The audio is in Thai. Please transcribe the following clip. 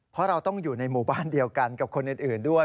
เพราะเราต้องอยู่ในหมู่บ้านเดียวกันกับคนอื่นด้วย